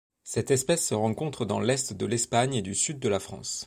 Cette espèce se rencontre dans l'est de l'Espagne et du Sud de la France.